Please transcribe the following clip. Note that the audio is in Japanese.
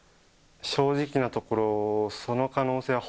正直なところ、その可能性は